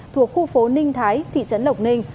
thuộc khu phố ninh thái thị trấn lộc ninh